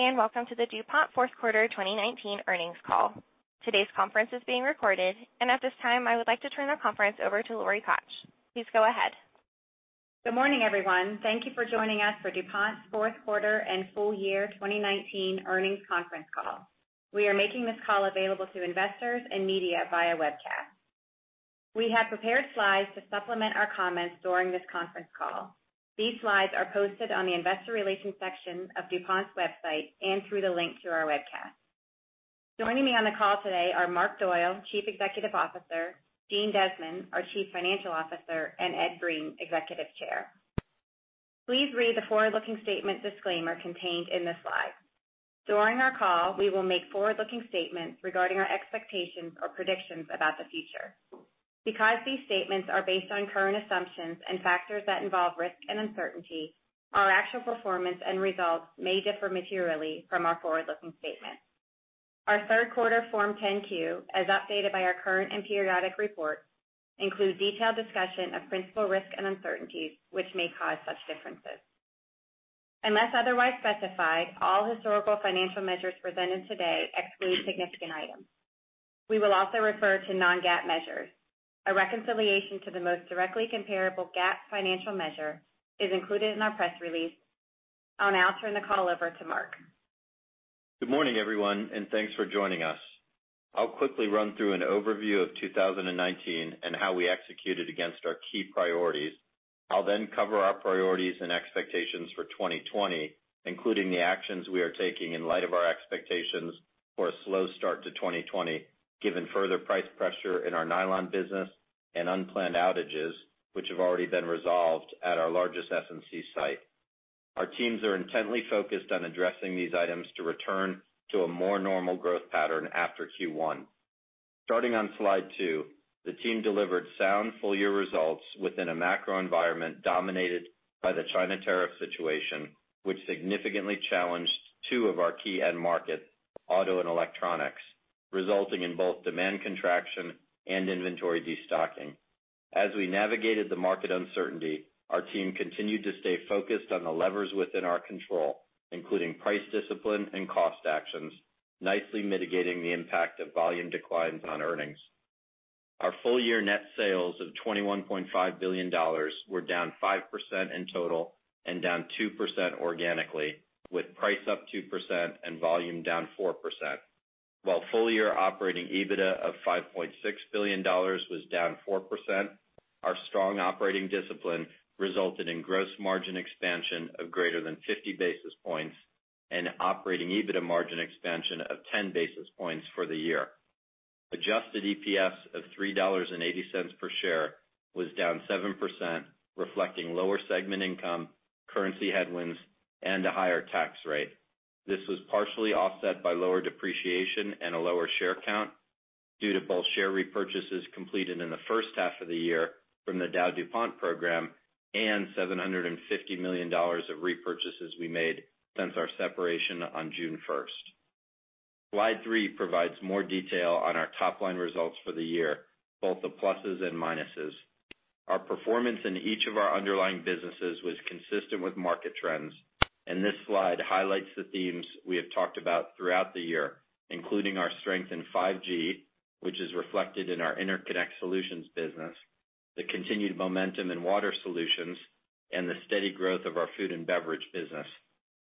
Good day, welcome to the DuPont fourth quarter 2019 earnings call. Today's conference is being recorded. At this time, I would like to turn the conference over to Lori Koch. Please go ahead. Good morning, everyone. Thank you for joining us for DuPont's fourth quarter and full year 2019 earnings conference call. We are making this call available to investors and media via webcast. We have prepared slides to supplement our comments during this conference call. These slides are posted on the investor relations section of DuPont's website and through the link to our webcast. Joining me on the call today are Marc Doyle, Chief Executive Officer, Jeanmarie Desmond, our Chief Financial Officer, and Ed Breen, Executive Chair. Please read the forward-looking statement disclaimer contained in this slide. During our call, we will make forward-looking statements regarding our expectations or predictions about the future. Because these statements are based on current assumptions and factors that involve risk and uncertainty, our actual performance and results may differ materially from our forward-looking statements. Our third quarter Form 10-Q, as updated by our current and periodic reports, includes detailed discussion of principal risks and uncertainties, which may cause such differences. Unless otherwise specified, all historical financial measures presented today exclude significant items. We will also refer to non-GAAP measures. A reconciliation to the most directly comparable GAAP financial measure is included in our press release. I'll now turn the call over to Marc. Good morning, everyone, and thanks for joining us. I'll quickly run through an overview of 2019 and how we executed against our key priorities. I'll then cover our priorities and expectations for 2020, including the actions we are taking in light of our expectations for a slow start to 2020, given further price pressure in our nylon business and unplanned outages, which have already been resolved at our largest S&C site. Our teams are intently focused on addressing these items to return to a more normal growth pattern after Q1. Starting on slide two, the team delivered sound full-year results within a macro environment dominated by the China tariff situation, which significantly challenged two of our key end markets, auto and electronics, resulting in both demand contraction and inventory destocking. As we navigated the market uncertainty, our team continued to stay focused on the levers within our control, including price discipline and cost actions, nicely mitigating the impact of volume declines on earnings. Our full-year net sales of $21.5 billion were down 5% in total and down 2% organically, with price up 2% and volume down 4%. While full-year operating EBITDA of $5.6 billion was down 4%, our strong operating discipline resulted in gross margin expansion of greater than 50 basis points and operating EBITDA margin expansion of 10 basis points for the year. Adjusted EPS of $3.80 per share was down 7%, reflecting lower segment income, currency headwinds, and a higher tax rate. This was partially offset by lower depreciation and a lower share count due to both share repurchases completed in the first half of the year from the DowDuPont program and $750 million of repurchases we made since our separation on June 1st. Slide three provides more detail on our top-line results for the year, both the pluses and minuses. Our performance in each of our underlying businesses was consistent with market trends. This slide highlights the themes we have talked about throughout the year, including our strength in 5G, which is reflected in our Interconnect Solutions business, the continued momentum in Water Solutions, and the steady growth of our Food and Beverage business.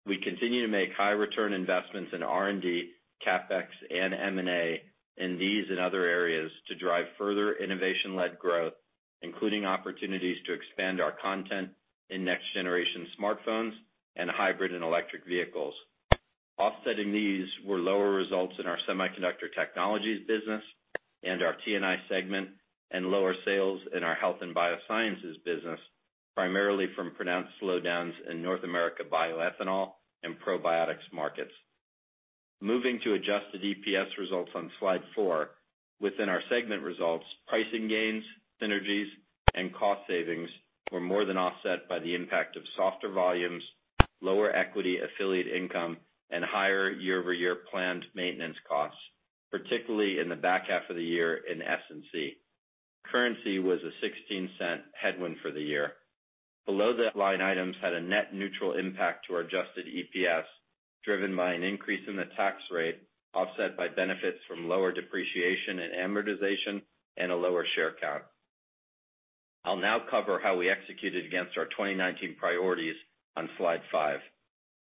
We continue to make high-return investments in R&D, CapEx, and M&A in these and other areas to drive further innovation-led growth, including opportunities to expand our content in next-generation smartphones and hybrid and electric vehicles. Offsetting these were lower results in our Semiconductor Technologies business and our T&I segment and lower sales in our Nutrition & Biosciences business, primarily from pronounced slowdowns in North America bioethanol and probiotics markets. Moving to adjusted EPS results on slide four. Within our segment results, pricing gains, synergies, and cost savings were more than offset by the impact of softer volumes, lower equity affiliate income, and higher year-over-year planned maintenance costs, particularly in the back half of the year in S&C. Currency was a $0.16 headwind for the year. Below the line items had a net neutral impact to our adjusted EPS, driven by an increase in the tax rate, offset by benefits from lower depreciation and amortization and a lower share count. I'll now cover how we executed against our 2019 priorities on slide five.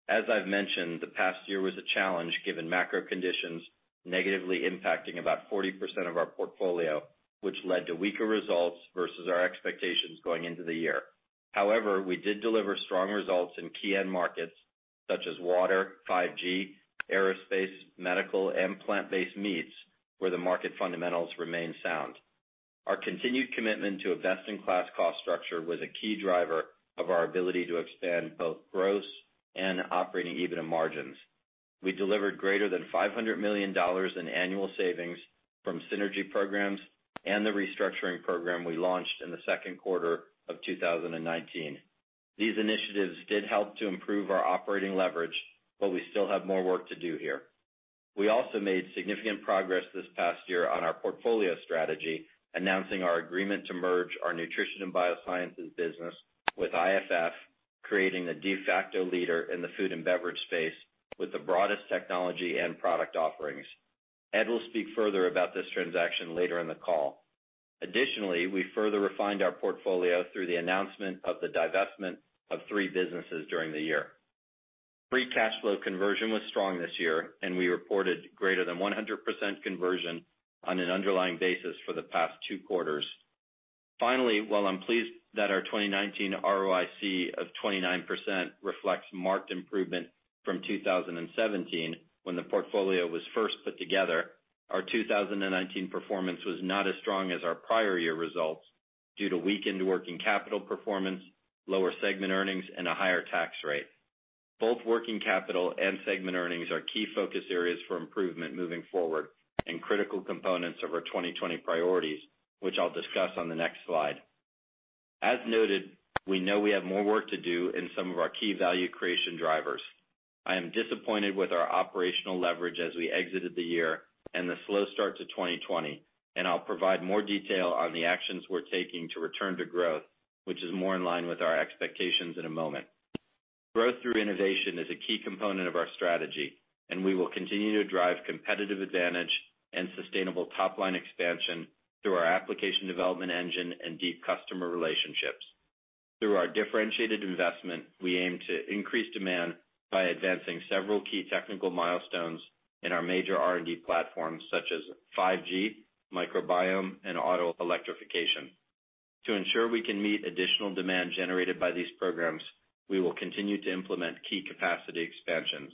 As I've mentioned, the past year was a challenge given macro conditions negatively impacting about 40% of our portfolio, which led to weaker results versus our expectations going into the year. We did deliver strong results in key end markets such as water, 5G, aerospace, medical, and plant-based meats, where the market fundamentals remain sound. Our continued commitment to a best-in-class cost structure was a key driver of our ability to expand both gross and operating EBITDA margins. We delivered greater than $500 million in annual savings from synergy programs and the restructuring program we launched in the second quarter of 2019. These initiatives did help to improve our operating leverage, but we still have more work to do here. We also made significant progress this past year on our portfolio strategy, announcing our agreement to merge our Nutrition & Biosciences business with IFF, creating the de facto leader in the food and beverage space with the broadest technology and product offerings. Ed will speak further about this transaction later in the call. Additionally, we further refined our portfolio through the announcement of the divestment of three businesses during the year. Free cash flow conversion was strong this year, and we reported greater than 100% conversion on an underlying basis for the past two quarters. Finally, while I'm pleased that our 2019 ROIC of 29% reflects marked improvement from 2017, when the portfolio was first put together, our 2019 performance was not as strong as our prior year results due to weakened working capital performance, lower segment earnings, and a higher tax rate. Both working capital and segment earnings are key focus areas for improvement moving forward and critical components of our 2020 priorities, which I'll discuss on the next slide. As noted, we know we have more work to do in some of our key value creation drivers. I am disappointed with our operational leverage as we exited the year and the slow start to 2020, and I'll provide more detail on the actions we're taking to return to growth, which is more in line with our expectations in a moment. Growth through innovation is a key component of our strategy, and we will continue to drive competitive advantage and sustainable top-line expansion through our application development engine and deep customer relationships. Through our differentiated investment, we aim to increase demand by advancing several key technical milestones in our major R&D platforms, such as 5G, microbiome, and auto electrification. To ensure we can meet additional demand generated by these programs, we will continue to implement key capacity expansions.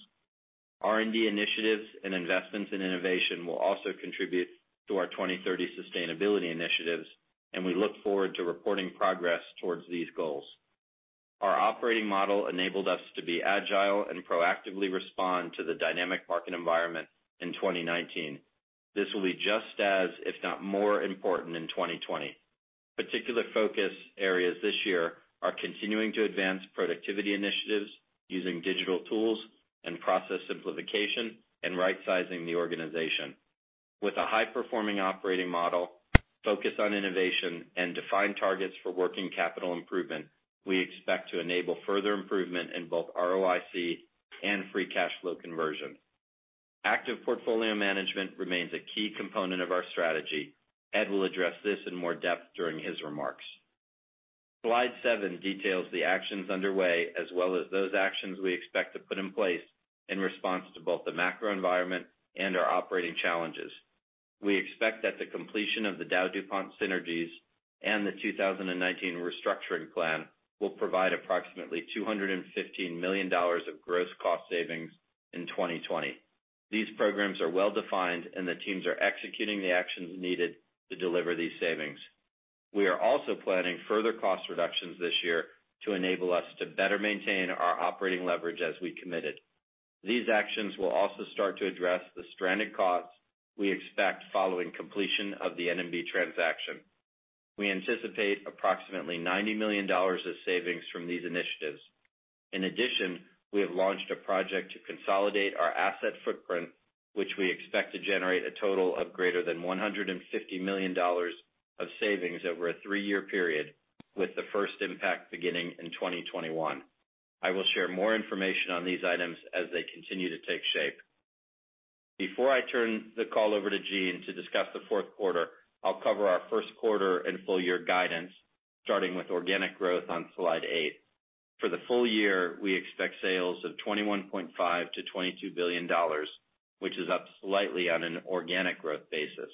R&D initiatives and investments in innovation will also contribute to our 2030 sustainability initiatives, and we look forward to reporting progress towards these goals. Our operating model enabled us to be agile and proactively respond to the dynamic market environment in 2019. This will be just as, if not more important, in 2020. Particular focus areas this year are continuing to advance productivity initiatives using digital tools and process simplification and rightsizing the organization. With a high-performing operating model, focus on innovation, and defined targets for working capital improvement, we expect to enable further improvement in both ROIC and free cash flow conversion. Active portfolio management remains a key component of our strategy. Ed will address this in more depth during his remarks. Slide seven details the actions underway, as well as those actions we expect to put in place in response to both the macro environment and our operating challenges. We expect that the completion of the DowDuPont synergies and the 2019 restructuring plan will provide approximately $215 million of gross cost savings in 2020. These programs are well-defined, and the teams are executing the actions needed to deliver these savings. We are also planning further cost reductions this year to enable us to better maintain our operating leverage as we committed. These actions will also start to address the stranded costs we expect following completion of the N&B transaction. We anticipate approximately $90 million of savings from these initiatives. In addition, we have launched a project to consolidate our asset footprint, which we expect to generate a total of greater than $150 million of savings over a three-year period with the first impact beginning in 2021. I will share more information on these items as they continue to take shape. Before I turn the call over to Jean to discuss the fourth quarter, I'll cover our first quarter and full-year guidance, starting with organic growth on slide eight. For the full year, we expect sales of $21.5 billion-$22 billion, which is up slightly on an organic growth basis.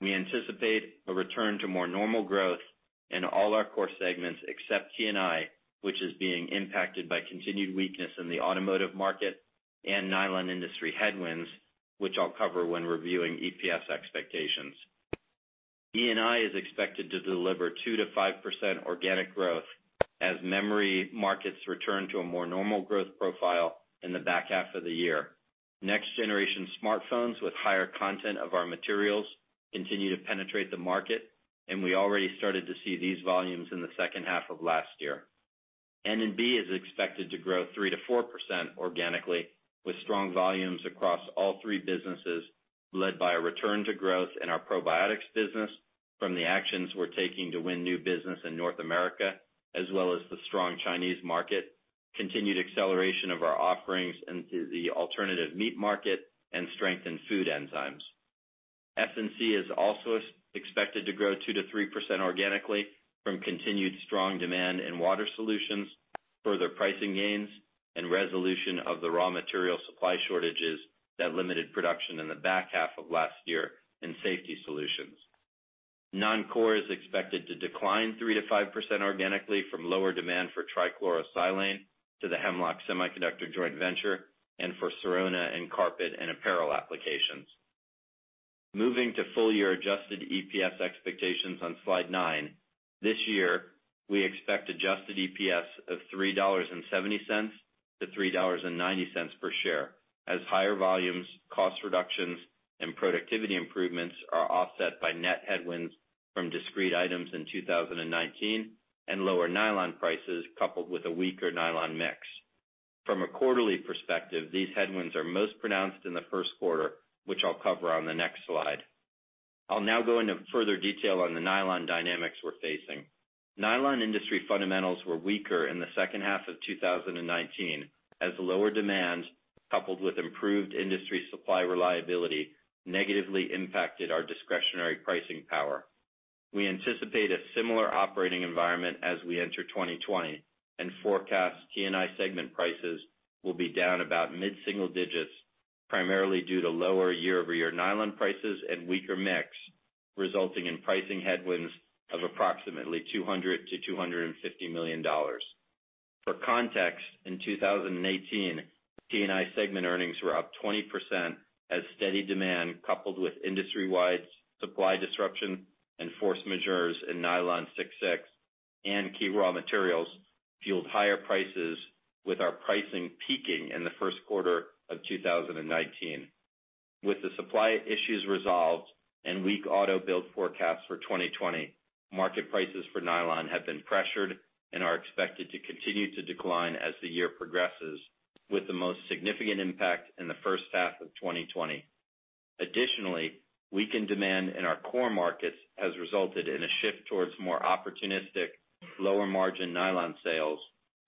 We anticipate a return to more normal growth in all our core segments except T&I, which is being impacted by continued weakness in the automotive market and nylon industry headwinds, which I'll cover when reviewing EPS expectations. E&I is expected to deliver 2%-5% organic growth as memory markets return to a more normal growth profile in the back half of the year. Next-generation smartphones with higher content of our materials continue to penetrate the market, and we already started to see these volumes in the second half of last year. N&B is expected to grow 3%-4% organically with strong volumes across all three businesses, led by a return to growth in our probiotics business from the actions we're taking to win new business in North America, as well as the strong Chinese market, continued acceleration of our offerings into the alternative meat market, and strength in food enzymes. S&C is also expected to grow 2%-3% organically from continued strong demand in Water Solutions, further pricing gains, and resolution of the raw material supply shortages that limited production in the back half of last year in safety solutions. Non-core is expected to decline 3%-5% organically from lower demand for trichlorosilane to the Hemlock Semiconductor joint venture and for Sorona and carpet and apparel applications. Moving to full-year adjusted EPS expectations on slide nine. This year, we expect adjusted EPS of $3.70-$3.90 per share as higher volumes, cost reductions and productivity improvements are offset by net headwinds from discrete items in 2019 and lower nylon prices, coupled with a weaker nylon mix. From a quarterly perspective, these headwinds are most pronounced in the first quarter, which I'll cover on the next slide. I'll now go into further detail on the nylon dynamics we're facing. Nylon industry fundamentals were weaker in the second half of 2019 as lower demand, coupled with improved industry supply reliability, negatively impacted our discretionary pricing power. We anticipate a similar operating environment as we enter 2020 and forecast T&I segment prices will be down about mid-single digits, primarily due to lower year-over-year nylon prices and weaker mix, resulting in pricing headwinds of approximately $200 million-$250 million. For context, in 2018, T&I segment earnings were up 20% as steady demand, coupled with industry-wide supply disruption and force majeurs in Nylon 6,6 and key raw materials fueled higher prices with our pricing peaking in the first quarter of 2019. With the supply issues resolved and weak auto build forecasts for 2020, market prices for nylon have been pressured and are expected to continue to decline as the year progresses, with the most significant impact in the first half of 2020. Additionally, weakened demand in our core markets has resulted in a shift towards more opportunistic, lower-margin nylon sales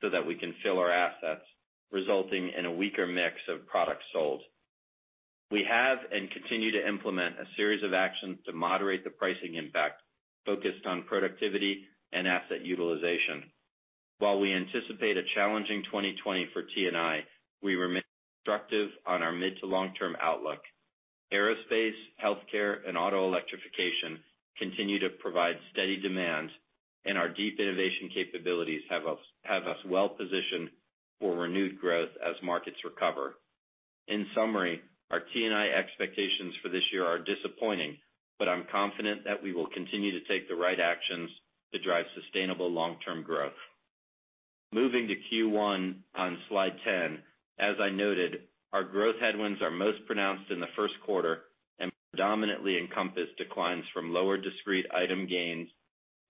so that we can fill our assets, resulting in a weaker mix of products sold. We have and continue to implement a series of actions to moderate the pricing impact focused on productivity and asset utilization. While we anticipate a challenging 2020 for T&I, we remain constructive on our mid to long-term outlook. Aerospace, healthcare, and auto electrification continue to provide steady demand, our deep innovation capabilities have us well-positioned for renewed growth as markets recover. In summary, our T&I expectations for this year are disappointing, I'm confident that we will continue to take the right actions to drive sustainable long-term growth. Moving to Q1 on slide 10, as I noted, our growth headwinds are most pronounced in the first quarter and predominantly encompass declines from lower discrete item gains,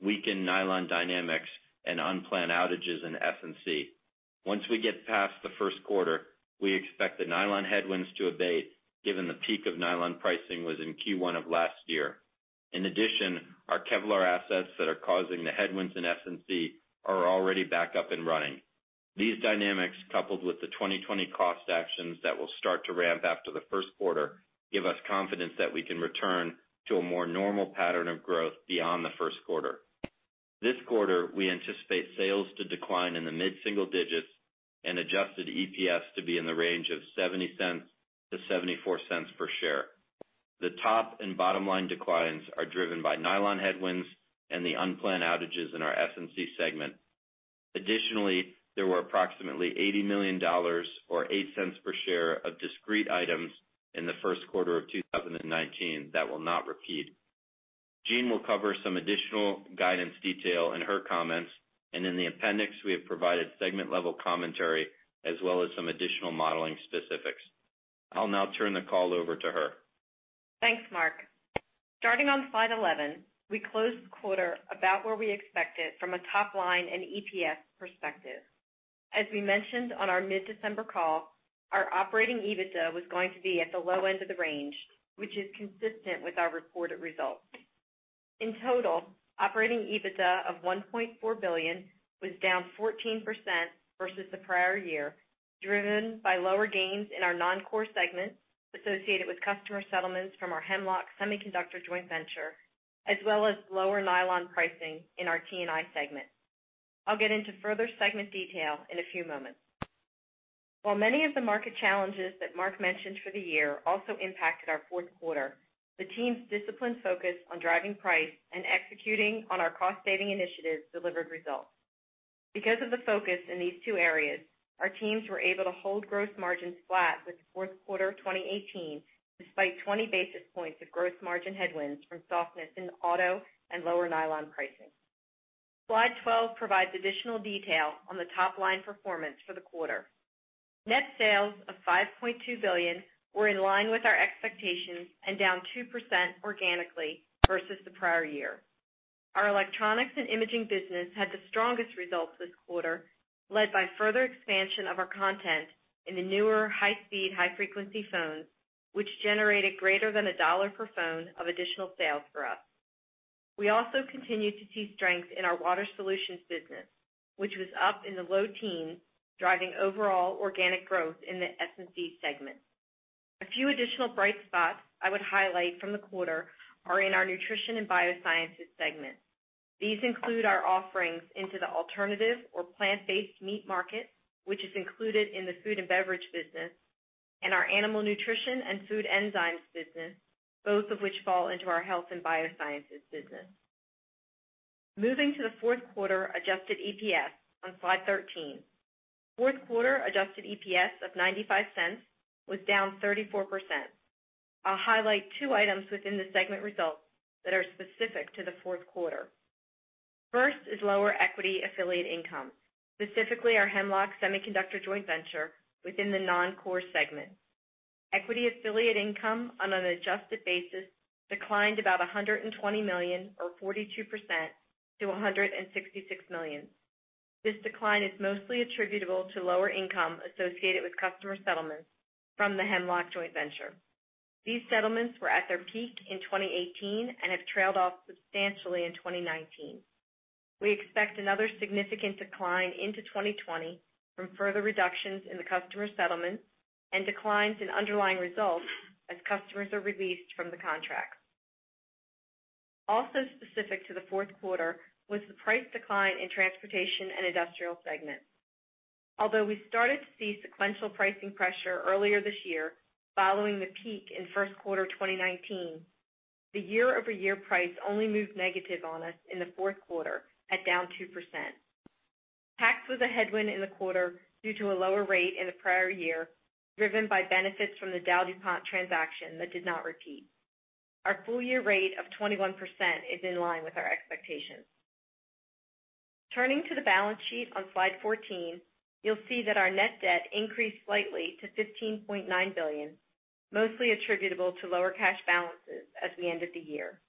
weakened nylon dynamics, and unplanned outages in S&C. Once we get past the first quarter, we expect the nylon headwinds to abate given the peak of nylon pricing was in Q1 of last year. In addition, our Kevlar assets that are causing the headwinds in S&C are already back up and running. These dynamics, coupled with the 2020 cost actions that will start to ramp after the first quarter, give us confidence that we can return to a more normal pattern of growth beyond the first quarter. This quarter, we anticipate sales to decline in the mid-single digits and adjusted EPS to be in the range of $0.70-$0.74 per share. The top and bottom line declines are driven by nylon headwinds and the unplanned outages in our S&C segment. Additionally, there were approximately $80 million or $0.08 per share of discrete items in the first quarter of 2019 that will not repeat. Jean will cover some additional guidance detail in her comments, and in the appendix, we have provided segment-level commentary as well as some additional modeling specifics. I'll now turn the call over to her. Thanks, Marc. Starting on slide 11, we closed the quarter about where we expected from a top-line and EPS perspective. As we mentioned on our mid-December call, our operating EBITDA was going to be at the low end of the range, which is consistent with our reported results. In total, operating EBITDA of $1.4 billion was down 14% versus the prior year, driven by lower gains in our non-core segments associated with customer settlements from our Hemlock Semiconductor joint venture, as well as lower nylon pricing in our T&I segment. I'll get into further segment detail in a few moments. While many of the market challenges that Marc mentioned for the year also impacted our fourth quarter, the team's disciplined focus on driving price and executing on our cost-saving initiatives delivered results. Because of the focus in these two areas, our teams were able to hold gross margins flat with the fourth quarter of 2018, despite 20 basis points of gross margin headwinds from softness in auto and lower nylon pricing. Slide 12 provides additional detail on the top-line performance for the quarter. Net sales of $5.2 billion were in line with our expectations and down 2% organically versus the prior year. Our Electronics & Imaging business had the strongest results this quarter, led by further expansion of our content in the newer high-speed, high-frequency phones, which generated greater than $1 per phone of additional sales for us. We also continued to see strength in our Water Solutions business, which was up in the low teens, driving overall organic growth in the S&C segment. A few additional bright spots I would highlight from the quarter are in our Nutrition & Biosciences segment. These include our offerings into the alternative or plant-based meat market, which is included in the food and beverage business, and our animal nutrition and food enzymes business, both of which fall into our health and biosciences business. Moving to the fourth quarter adjusted EPS on slide 13. Fourth quarter adjusted EPS of $0.95 was down 34%. I'll highlight two items within the segment results that are specific to the fourth quarter. First is lower equity affiliate income, specifically our Hemlock Semiconductor joint venture within the non-core segment. Equity affiliate income on an adjusted basis declined about $120 million, or 42%, to $166 million. This decline is mostly attributable to lower income associated with customer settlements from the Hemlock joint venture. These settlements were at their peak in 2018 and have trailed off substantially in 2019. We expect another significant decline into 2020 from further reductions in the customer settlements and declines in underlying results as customers are released from the contracts. Also specific to the fourth quarter was the price decline in Transportation and Industrial segment. Although we started to see sequential pricing pressure earlier this year, following the peak in first quarter 2019, the year-over-year price only moved negative on us in the fourth quarter at down 2%. Tax was a headwind in the quarter due to a lower rate in the prior year, driven by benefits from the DowDuPont transaction that did not repeat. Our full-year rate of 21% is in line with our expectations. Turning to the balance sheet on slide 14, you'll see that our net debt increased slightly to $15.9 billion, mostly attributable to lower cash balances at the end of the year.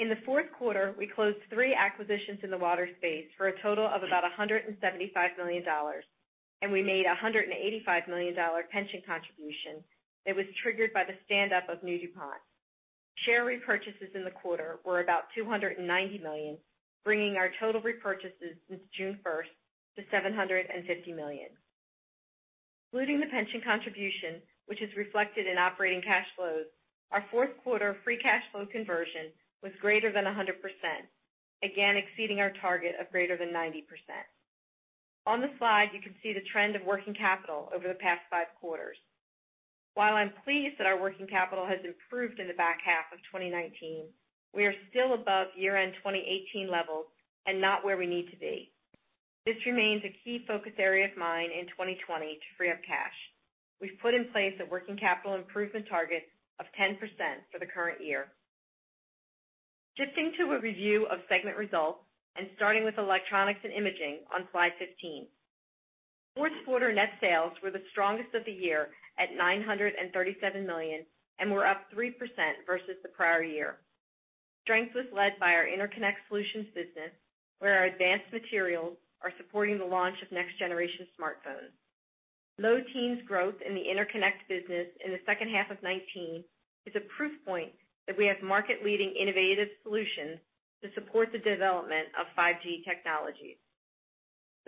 In the fourth quarter, we closed three acquisitions in the water space for a total of about $175 million, and we made a $185 million pension contribution that was triggered by the stand-up of New DuPont. Share repurchases in the quarter were about $290 million, bringing our total repurchases since June 1st to $750 million. Including the pension contribution, which is reflected in operating cash flows, our fourth quarter free cash flow conversion was greater than 100%, again exceeding our target of greater than 90%. On the slide, you can see the trend of working capital over the past five quarters. While I'm pleased that our working capital has improved in the back half of 2019, we are still above year-end 2018 levels and not where we need to be. This remains a key focus area of mine in 2020 to free up cash. We've put in place a working capital improvement target of 10% for the current year. Shifting to a review of segment results and starting with Electronics & Imaging on slide 15. Fourth quarter net sales were the strongest of the year at $937 million and were up 3% versus the prior year. Strength was led by our Interconnect Solutions business, where our advanced materials are supporting the launch of next generation smartphones. Low teens growth in the Interconnect business in the second half of 2019 is a proof point that we have market-leading innovative solutions to support the development of 5G technologies.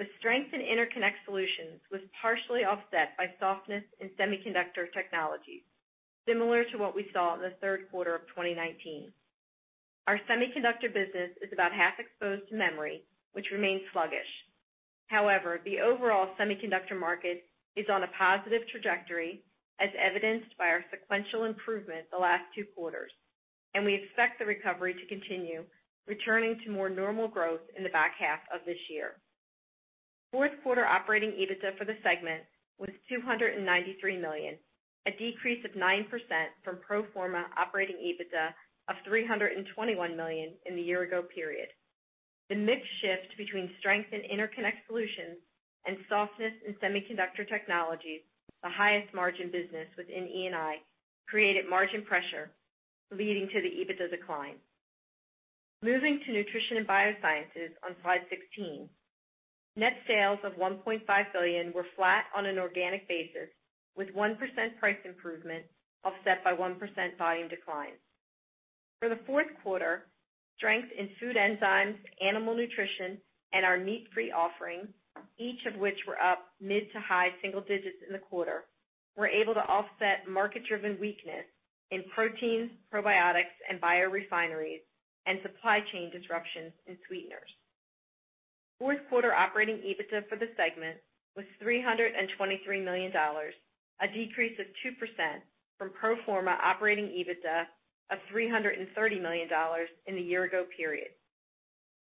The strength in Interconnect Solutions was partially offset by softness in Semiconductor Technologies, similar to what we saw in the third quarter of 2019. Our semiconductor business is about half exposed to memory, which remains sluggish. The overall semiconductor market is on a positive trajectory, as evidenced by our sequential improvement the last two quarters, and we expect the recovery to continue, returning to more normal growth in the back half of this year. Fourth quarter operating EBITDA for the segment was $293 million, a decrease of 9% from pro forma operating EBITDA of $321 million in the year ago period. The mix shift between strength in Interconnect Solutions and softness in Semiconductor Technologies, the highest margin business within E&I, created margin pressure, leading to the EBITDA decline. Moving to Nutrition & Biosciences on slide 16. Net sales of $1.5 billion were flat on an organic basis, with 1% price improvement offset by 1% volume decline. For the fourth quarter, strength in food enzymes, animal nutrition, and our meat-free offerings, each of which were up mid to high single digits in the quarter, were able to offset market-driven weakness in proteins, probiotics, and biorefineries and supply chain disruptions in sweeteners. Fourth quarter operating EBITDA for the segment was $323 million, a decrease of 2% from pro forma operating EBITDA of $330 million in the year ago period.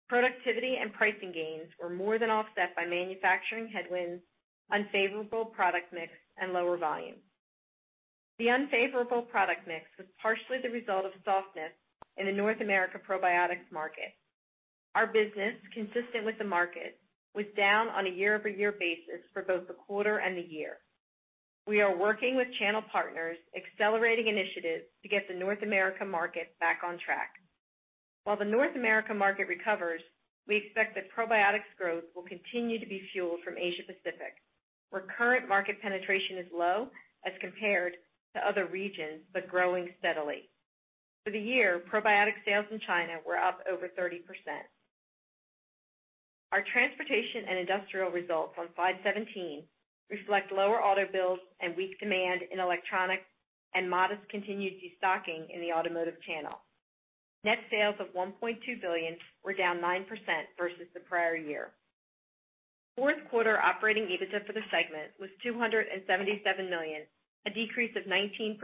Productivity and pricing gains were more than offset by manufacturing headwinds, unfavorable product mix, and lower volume. The unfavorable product mix was partially the result of softness in the North America probiotics market. Our business, consistent with the market, was down on a year-over-year basis for both the quarter and the year. We are working with channel partners, accelerating initiatives to get the North America market back on track. While the North America market recovers, we expect that probiotics growth will continue to be fueled from Asia-Pacific, where current market penetration is low as compared to other regions, but growing steadily. For the year, probiotic sales in China were up over 30%. Our Transportation & Industrial results on slide 17 reflect lower auto builds and weak demand in electronics and modest continued destocking in the automotive channel. Net sales of $1.2 billion were down 9% versus the prior year. Fourth quarter operating EBITDA for the segment was $277 million, a decrease of 19%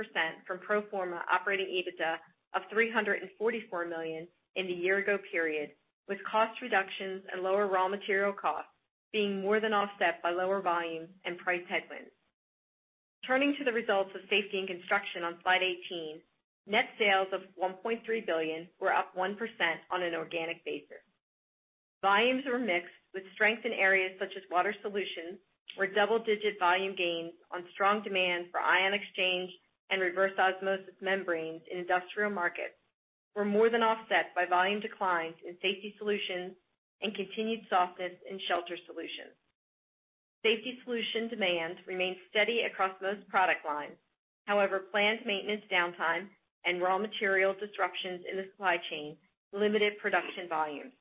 from pro forma operating EBITDA of $344 million in the year ago period, with cost reductions and lower raw material costs being more than offset by lower volumes and price headwinds. Turning to the results of Safety and Construction on slide 18, net sales of $1.3 billion were up 1% on an organic basis. Volumes were mixed with strength in areas such as water solutions where double-digit volume gains on strong demand for ion exchange and reverse osmosis membranes in industrial markets were more than offset by volume declines in safety solutions and continued softness in shelter solutions. Safety solution demand remained steady across most product lines. However, planned maintenance downtime and raw material disruptions in the supply chain limited production volumes.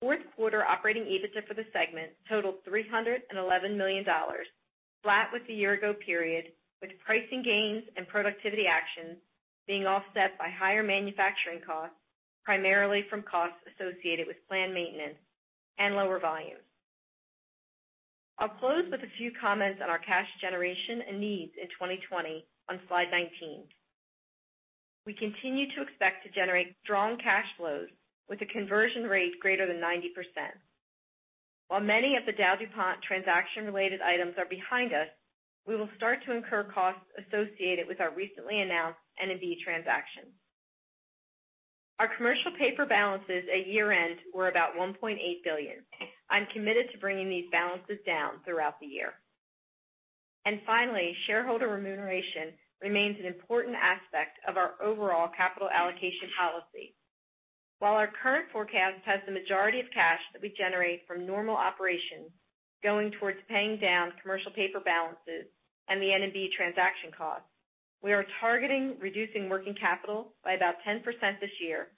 Fourth quarter operating EBITDA for the segment totaled $311 million, flat with the year ago period, with pricing gains and productivity actions being offset by higher manufacturing costs, primarily from costs associated with planned maintenance and lower volumes. I'll close with a few comments on our cash generation and needs in 2020 on slide 19. We continue to expect to generate strong cash flows with a conversion rate greater than 90%. While many of the DowDuPont transaction related items are behind us, we will start to incur costs associated with our recently announced N&B transaction. Our commercial paper balances at year-end were about $1.8 billion. I'm committed to bringing these balances down throughout the year. Finally, shareholder remuneration remains an important aspect of our overall capital allocation policy. While our current forecast has the majority of cash that we generate from normal operations going towards paying down commercial paper balances and the N&B transaction costs, we are targeting reducing working capital by about 10% this year,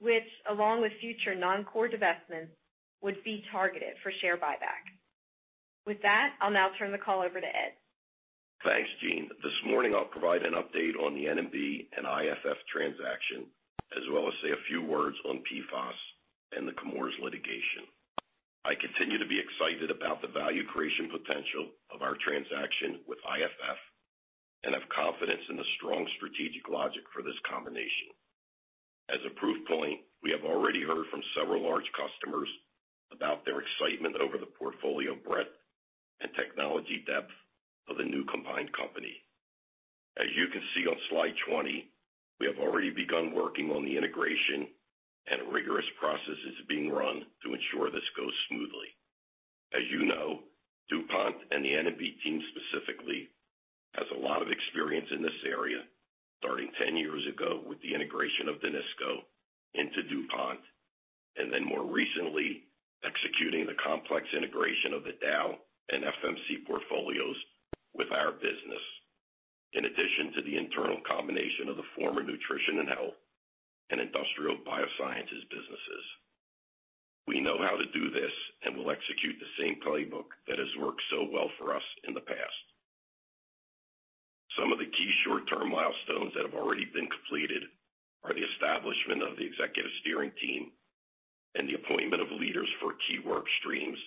which along with future non-core divestments, would be targeted for share buyback. With that, I'll now turn the call over to Ed. Thanks, Jean. This morning I'll provide an update on the N&B and IFF transaction, as well as say a few words on PFAS and the Chemours litigation. I continue to be excited about the value creation potential of our transaction with IFF and have confidence in the strong strategic logic for this combination. As a proof point, we have already heard from several large customers about their excitement over the portfolio breadth and technology depth of the new combined company. As you can see on slide 20, we have already begun working on the integration, and rigorous processes are being run to ensure this goes smoothly. As you know, DuPont and the N&B team specifically, has a lot of experience in this area, starting 10 years ago with the integration of Danisco into DuPont, and then more recently executing the complex integration of the Dow and FMC portfolios with our business, in addition to the internal combination of the former Nutrition and Health and Industrial Biosciences businesses. We know how to do this, and we'll execute the same playbook that has worked so well for us in the past. Some of the key short-term milestones that have already been completed are the establishment of the executive steering team and the appointment of leaders for key work streams,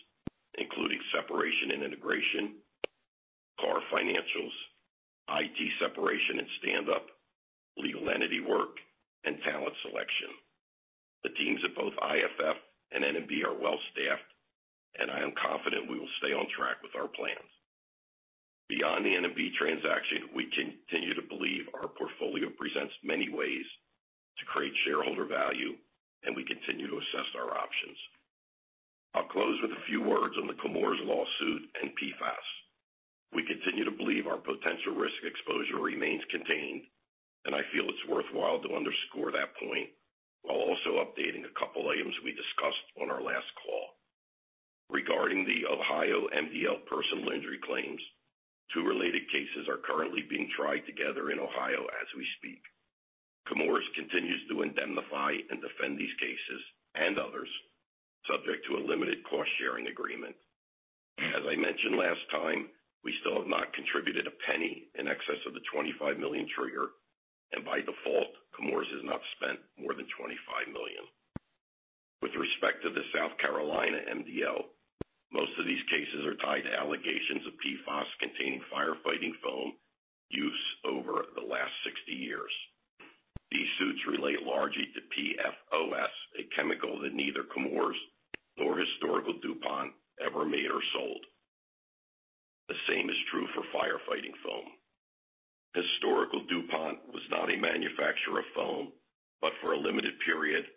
including separation and integration, CAR financials, IT separation and stand up, legal entity work, and talent selection. The teams at both IFF and N&B are well staffed and I am confident we will stay on track with our plans. Beyond the N&B transaction, we continue to believe our portfolio presents many ways to create shareholder value, and we continue to assess our options. I'll close with a few words on the Chemours lawsuit and PFAS. We continue to believe our potential risk exposure remains contained, and I feel it's worthwhile to underscore that point while also updating a couple items we discussed on our last call. Regarding the Ohio MDL personal injury claims, two related cases are currently being tried together in Ohio as we speak. Chemours continues to indemnify and defend these cases and others, subject to a limited cost-sharing agreement. As I mentioned last time, we still have not contributed a penny in excess of the $25 million trigger, and by default, Chemours has not spent more than $25 million. With respect to the South Carolina MDL, most of these cases are tied to allegations of PFOS-containing firefighting foam use over the last 60 years. These suits relate largely to PFOS, a chemical that neither Chemours nor historical DuPont ever made or sold. The same is true for firefighting foam. Historical DuPont was not a manufacturer of foam, but for a limited period,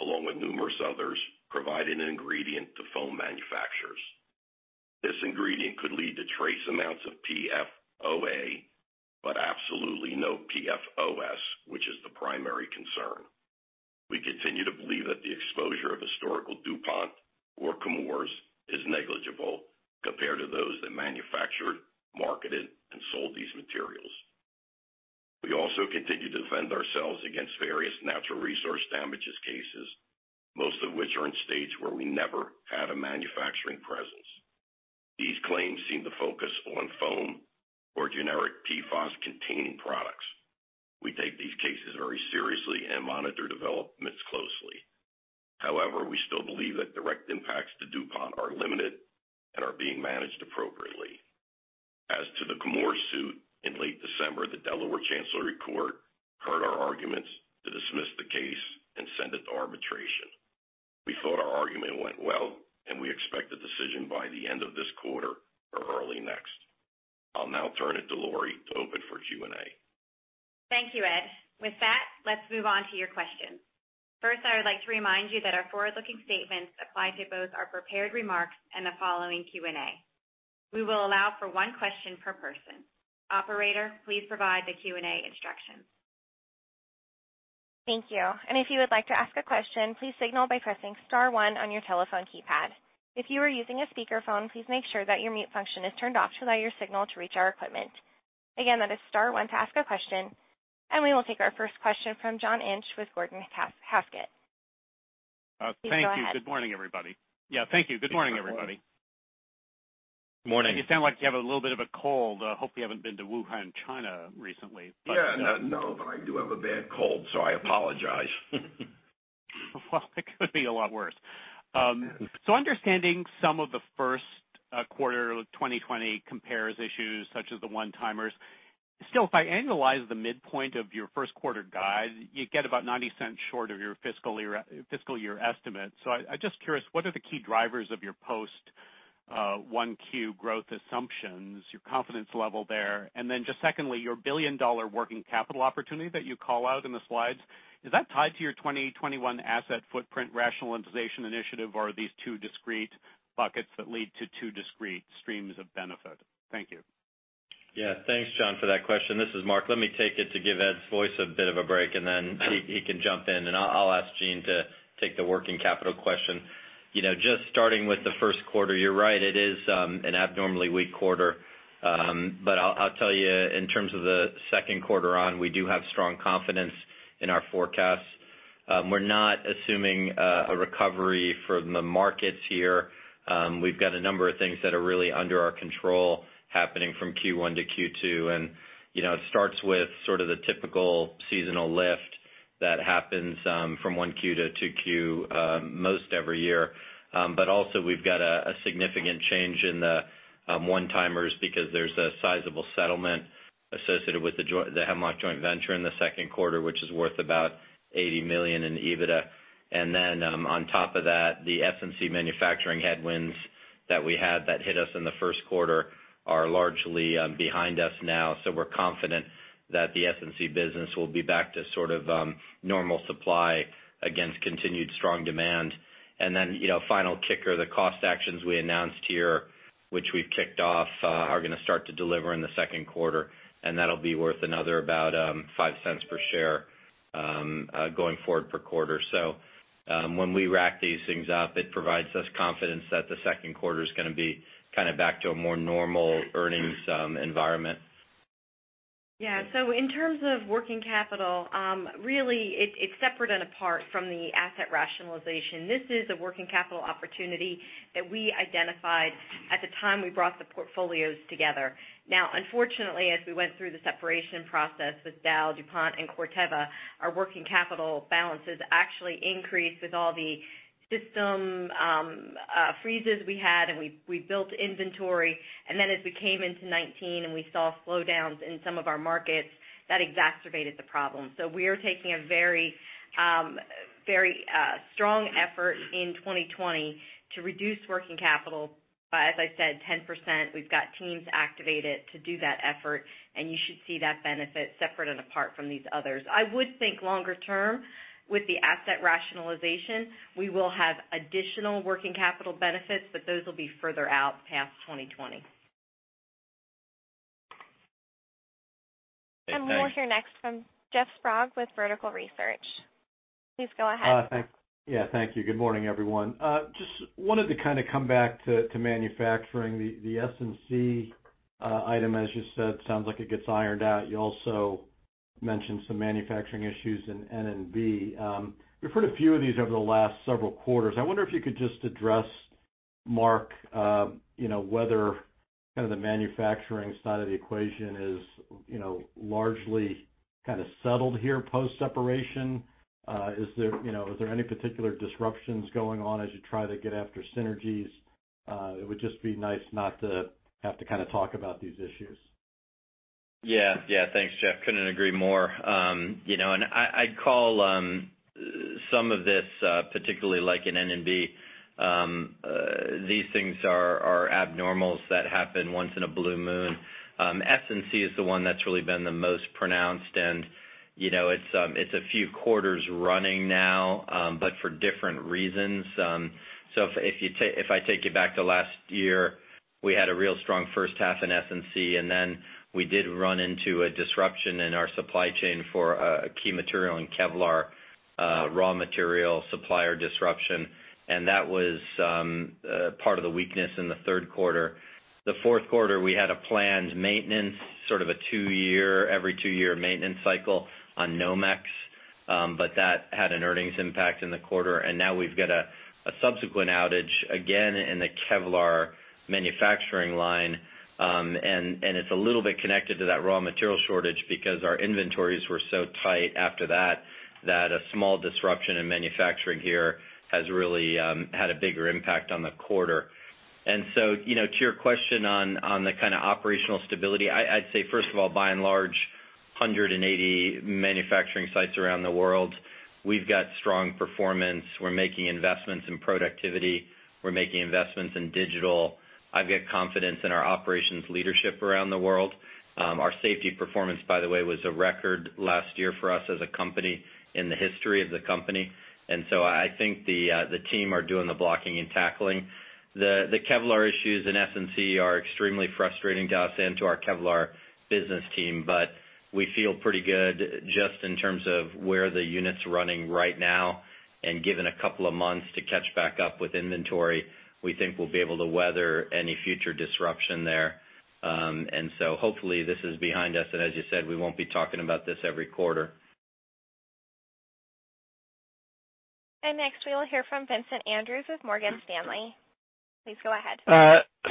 along with numerous others, provided an ingredient to foam manufacturers. This ingredient could lead to trace amounts of PFOA, but absolutely no PFOS, which is the primary concern. We continue to believe that the exposure of historical DuPont or Chemours is negligible compared to those that manufactured, marketed, and sold these materials. We also continue to defend ourselves against various natural resource damages cases, most of which are in states where we never had a manufacturing presence. These claims seem to focus on foam or generic PFAS-containing products. We take these cases very seriously and monitor developments closely. We still believe that direct impacts to DuPont are limited and are being managed appropriately. As to the Chemours Court heard our arguments to dismiss the case and send it to arbitration. We thought our argument went well, and we expect a decision by the end of this quarter or early next. I'll now turn it to Lori to open for Q&A. Thank you, Ed. With that, let's move on to your questions. First, I would like to remind you that our forward-looking statements apply to both our prepared remarks and the following Q&A. We will allow for one question per person. Operator, please provide the Q&A instructions. Thank you. If you would like to ask a question, please signal by pressing star one on your telephone keypad. If you are using a speakerphone, please make sure that your mute function is turned off to allow your signal to reach our equipment. Again, that is star one to ask a question, and we will take our first question from John Inch with Gordon Haskett. Please go ahead. Thank you. Good morning, everybody. Good morning. You sound like you have a little bit of a cold. Hope you haven't been to Wuhan, China recently. Yeah. No, I do have a bad cold, so I apologize. It could be a lot worse. Understanding some of the 1Q 2020 compares issues such as the one-timers. If I annualize the midpoint of your 1Q guide, you get about $0.90 short of your fiscal year estimate. I'm just curious, what are the key drivers of your post 1Q growth assumptions, your confidence level there? Then just secondly, your billion-dollar working capital opportunity that you call out in the slides, is that tied to your 2021 asset footprint rationalization initiative, or are these two discrete buckets that lead to two discrete streams of benefit? Thank you. Yeah. Thanks, John, for that question. This is Marc. Let me take it to give Ed's voice a bit of a break, then he can jump in, and I'll ask Jean to take the working capital question. Just starting with the first quarter, you're right, it is an abnormally weak quarter. I'll tell you in terms of the second quarter on, we do have strong confidence in our forecasts. We're not assuming a recovery from the markets here. We've got a number of things that are really under our control happening from Q1 to Q2, it starts with sort of the typical seasonal lift that happens from 1Q to 2Q most every year. Also we've got a significant change in the one-timers because there's a sizable settlement associated with the Hemlock joint venture in the second quarter, which is worth about $80 million in EBITDA. On top of that, the S&C manufacturing headwinds that we had that hit us in the first quarter are largely behind us now. We're confident that the S&C business will be back to sort of normal supply against continued strong demand. Final kicker, the cost actions we announced here, which we've kicked off are going to start to deliver in the second quarter, and that'll be worth another about $0.05 per share going forward per quarter. When we rack these things up, it provides us confidence that the second quarter's going to be kind of back to a more normal earnings environment. Yeah. In terms of working capital, really it's separate and apart from the asset rationalization. This is a working capital opportunity that we identified at the time we brought the portfolios together. Unfortunately, as we went through the separation process with Dow, DuPont, and Corteva, our working capital balances actually increased with all the system freezes we had, and we built inventory. Then as we came into 2019, and we saw slowdowns in some of our markets, that exacerbated the problem. We are taking a very strong effort in 2020 to reduce working capital by, as I said, 10%. We've got teams activated to do that effort, and you should see that benefit separate and apart from these others. I would think longer term with the asset rationalization, we will have additional working capital benefits, but those will be further out past 2020. Thanks. We'll hear next from Jeff Sprague with Vertical Research. Please go ahead. Yeah. Thank you. Good morning, everyone. Just wanted to kind of come back to manufacturing. The S&C item, as you said, sounds like it gets ironed out. You also mentioned some manufacturing issues in N&B. You've heard a few of these over the last several quarters. I wonder if you could just address, Marc, whether kind of the manufacturing side of the equation is largely kind of settled here post-separation. Is there any particular disruptions going on as you try to get after synergies? It would just be nice not to have to kind of talk about these issues. Yeah. Thanks, Jeff. Couldn't agree more. I'd call some of this, particularly like in N&B, these things are abnormalities that happen once in a blue moon. S&C is the one that's really been the most pronounced and it's a few quarters running now for different reasons. If I take you back to last year, we had a real strong first half in S&C, we did run into a disruption in our supply chain for a key material in Kevlar, raw material supplier disruption, that was part of the weakness in the third quarter. The fourth quarter, we had a planned maintenance, sort of a every two-year maintenance cycle on Nomex. That had an earnings impact in the quarter. Now we've got a subsequent outage again in the Kevlar manufacturing line. It's a little bit connected to that raw material shortage because our inventories were so tight after that a small disruption in manufacturing here has really had a bigger impact on the quarter. To your question on the kind of operational stability, I'd say first of all, by and large 180 manufacturing sites around the world. We've got strong performance. We're making investments in productivity. We're making investments in digital. I've got confidence in our operations leadership around the world. Our safety performance, by the way, was a record last year for us as a company in the history of the company. I think the team are doing the blocking and tackling. The Kevlar issues in S&C are extremely frustrating to us and to our Kevlar business team. We feel pretty good just in terms of where the unit's running right now, and given a couple of months to catch back up with inventory, we think we'll be able to weather any future disruption there. Hopefully this is behind us, and as you said, we won't be talking about this every quarter. Next we will hear from Vincent Andrews with Morgan Stanley. Please go ahead.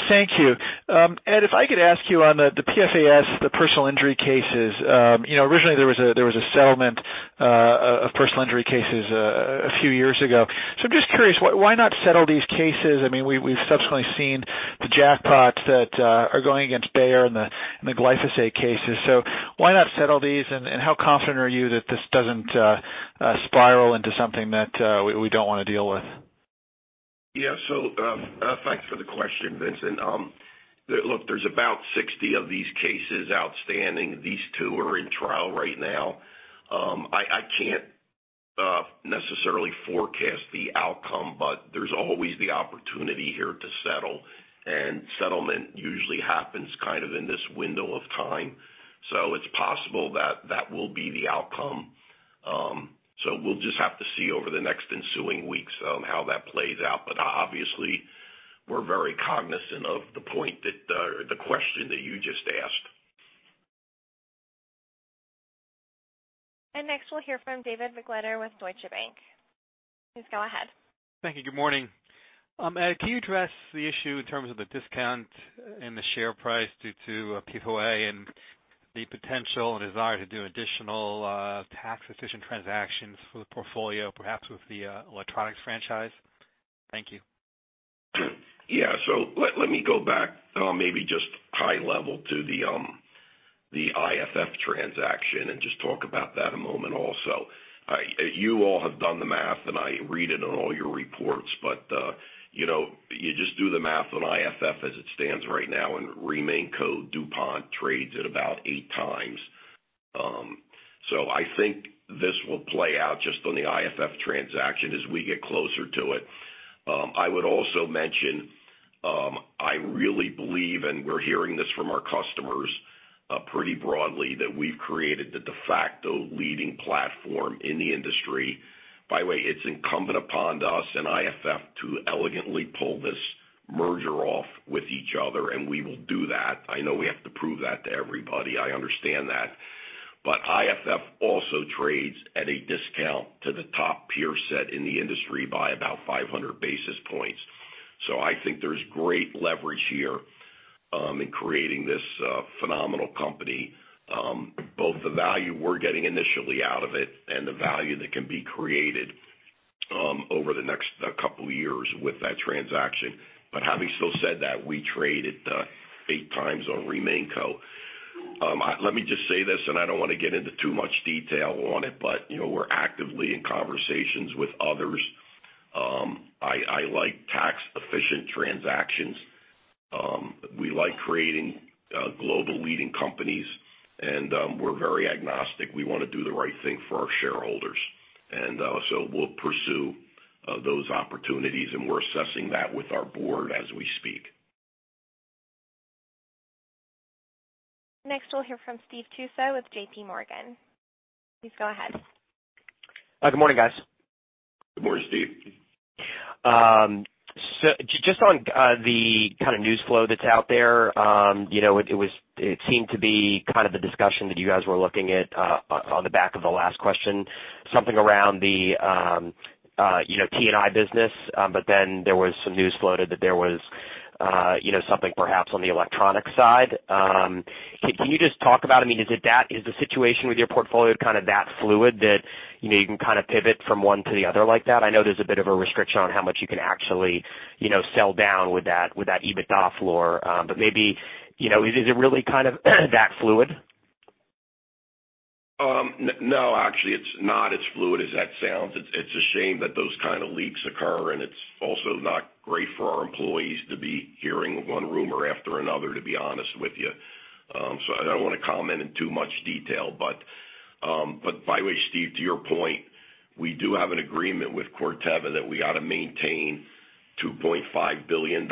Thank you. Ed, if I could ask you on the PFAS, the personal injury cases. Originally there was a settlement of personal injury cases a few years ago. I'm just curious, why not settle these cases? We've subsequently seen the jackpots that are going against Bayer and the glyphosate cases. Why not settle these, and how confident are you that this doesn't spiral into something that we don't want to deal with? Yeah. Thanks for the question, Vincent. Look, there's about 60 of these cases outstanding. These two are in trial right now. I can't necessarily forecast the outcome, but there's always the opportunity here to settle, and settlement usually happens kind of in this window of time. It's possible that that will be the outcome. We'll just have to see over the next ensuing weeks on how that plays out. Obviously we're very cognizant of the point that, or the question that you just asked. Next, we'll hear from David Begleiter with Deutsche Bank. Please go ahead. Thank you. Good morning. Ed, can you address the issue in terms of the discount in the share price due to PFAS and the potential and desire to do additional tax-efficient transactions for the portfolio, perhaps with the electronics franchise? Thank you. Let me go back maybe just high level to the IFF transaction and just talk about that a moment also. You all have done the math, and I read it in all your reports, but you just do the math on IFF as it stands right now and remain co, DuPont trades at about eight times. I think this will play out just on the IFF transaction as we get closer to it. I would also mention, I really believe, and we're hearing this from our customers pretty broadly, that we've created the de facto leading platform in the industry. By the way, it's incumbent upon us and IFF to elegantly pull this merger off with each other, and we will do that. I know we have to prove that to everybody, I understand that. IFF also trades at a discount to the top peer set in the industry by about 500 basis points. I think there's great leverage here in creating this phenomenal company, both the value we're getting initially out of it and the value that can be created over the next couple of years with that transaction. Having still said that, we trade at eight times on RemainCo. Let me just say this, and I don't want to get into too much detail on it, but we're actively in conversations with others. I like tax-efficient transactions. We like creating global leading companies, and we're very agnostic. We want to do the right thing for our shareholders. We'll pursue those opportunities, and we're assessing that with our board as we speak. Next, we'll hear from Steve Tusa with J.P. Morgan. Please go ahead. Hi. Good morning, guys. Good morning, Steve. Just on the kind of news flow that's out there, it seemed to be kind of the discussion that you guys were looking at on the back of the last question, something around the T&I business, but then there was some news floated that there was something perhaps on the electronic side. Can you just talk about it? Is the situation with your portfolio kind of that fluid that you can kind of pivot from one to the other like that? I know there's a bit of a restriction on how much you can actually sell down with that EBITDA floor. Maybe, is it really kind of that fluid? No, actually it's not as fluid as that sounds. It's a shame that those kind of leaks occur, and it's also not great for our employees to be hearing one rumor after another, to be honest with you. I don't want to comment in too much detail, but by the way, Steve, to your point, we do have an agreement with Corteva that we ought to maintain $2.5 billion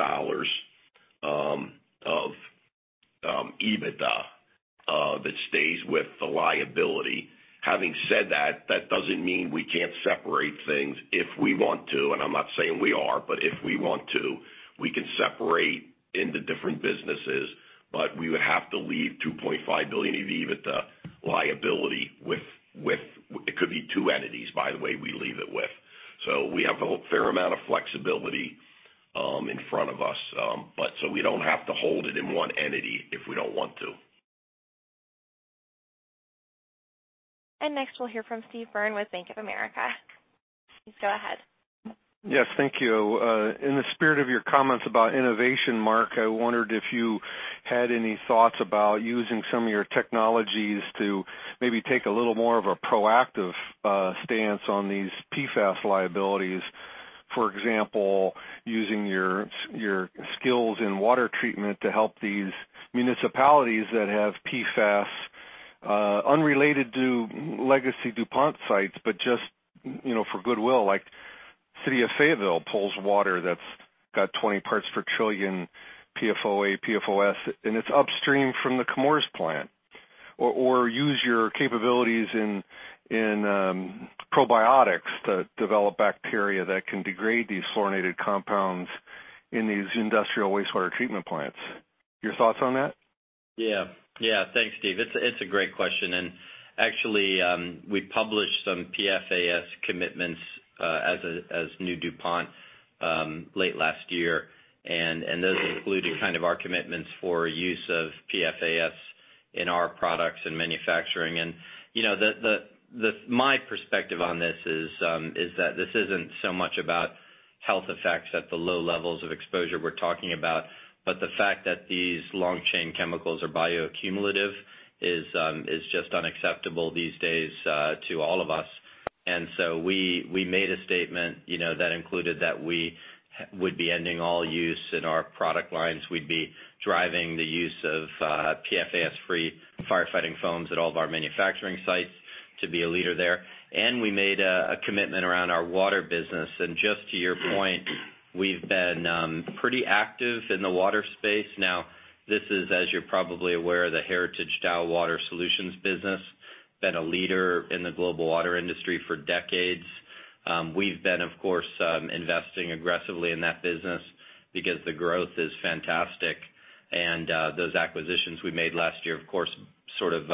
of EBITDA that stays with the liability. Having said that doesn't mean we can't separate things if we want to, and I'm not saying we are, but if we want to, we can separate into different businesses, but we would have to leave $2.5 billion of EBITDA liability with, it could be two entities, by the way, we leave it with. We have a fair amount of flexibility in front of us. We don't have to hold it in one entity if we don't want to. Next we'll hear from Steve Byrne with Bank of America. Please go ahead. Yes, thank you. In the spirit of your comments about innovation, Marc, I wondered if you had any thoughts about using some of your technologies to maybe take a little more of a proactive stance on these PFAS liabilities. For example, using your skills in water treatment to help these municipalities that have PFAS, unrelated to legacy DuPont sites, but just for goodwill. Like City of Fayetteville pulls water that's got 20 parts per trillion PFOA, PFOS, and it's upstream from the Chemours plant. Use your capabilities in probiotics to develop bacteria that can degrade these fluorinated compounds in these industrial wastewater treatment plants. Your thoughts on that? Thanks, Steve. It's a great question. Actually, we published some PFAS commitments as DuPont late last year. Those included kind of our commitments for use of PFAS in our products and manufacturing. My perspective on this is that this isn't so much about health effects at the low levels of exposure we're talking about, but the fact that these long-chain chemicals are bioaccumulative is just unacceptable these days to all of us. We made a statement that included that we would be ending all use in our product lines. We'd be driving the use of PFAS-free firefighting foams at all of our manufacturing sites to be a leader there. We made a commitment around our Water Solutions business. Just to your point, we've been pretty active in the Water Solutions space. This is, as you're probably aware, the heritage DuPont Water Solutions business. It's been a leader in the global water industry for decades. We've been, of course, investing aggressively in that business because the growth is fantastic. Those acquisitions we made last year, of course, sort of